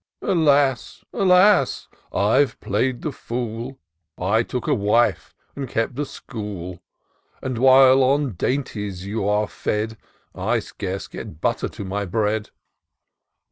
" Alas ! alas ! I've play'd the fool ; I took a wife, and keep a school ; And while on dainties you are fed, I scarce get butter to my bread."